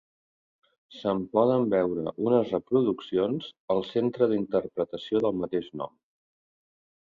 Se'n poden veure unes reproduccions al centre d'interpretació del mateix nom.